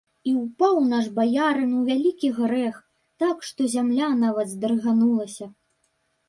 І ўпаў наш баярын у вялікі грэх, так што зямля нават здрыганулася.